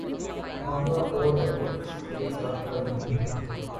معاملہ اور ہے اور کسی ایک ذات کا نہیں۔